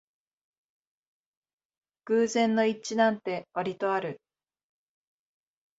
偶然の一致なんてわりとある